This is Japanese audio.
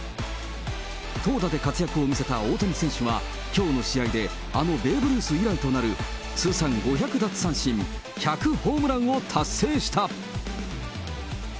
投打で活躍を見せた大谷選手は、きょうの試合で、あのベーブ・ルース以来となる通算５００奪三振、１００ホームランを達成した。